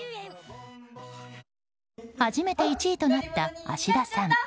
初めて１位となった芦田さん。